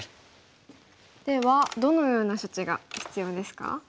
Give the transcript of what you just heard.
ではどのような処置が必要ですか？